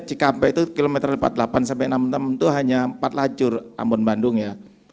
cikampek itu kilometer empat puluh delapan sampai enam puluh enam itu hanya empat lajur ambon bandung ya